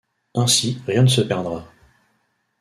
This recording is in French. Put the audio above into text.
Ainsi rien ne se perdra.